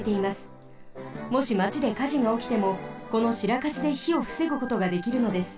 もしまちでかじがおきてもこのシラカシでひをふせぐことができるのです。